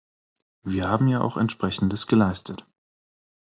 Wir haben ja auch Entsprechendes geleistet.